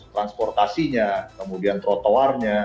transportasinya kemudian trotoarnya